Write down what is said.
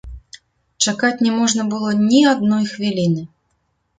Чакаць не можна было ні адной хвіліны.